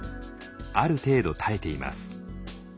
ある程度耐えています。